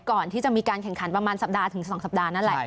ก่อนที่จะมีการแข่งขันประมาณสัปดาห์ถึง๒สัปดาห์นั่นแหละ